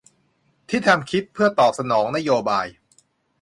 ที่ทำคลิปเพื่อตอบสนองนโยบาย